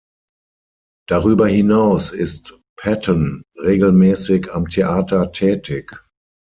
Darüber hinaus ist Patton regelmäßig am Theater tätig.